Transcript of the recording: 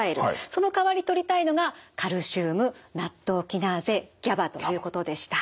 そのかわりとりたいのがカルシウムナットウキナーゼＧＡＢＡということでした。